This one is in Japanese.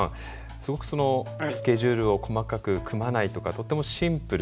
すごくスケジュールを細かく組まないとかとてもシンプル。